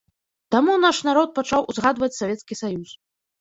Таму наш народ пачаў узгадваць савецкі саюз.